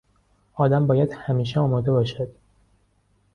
آدم باید همیشه آماده باشد.